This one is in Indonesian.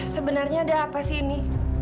sebenarnya ada apa sih ini